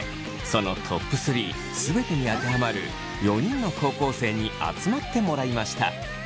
そのＴＯＰ３全てにあてはまる４人の高校生に集まってもらいました。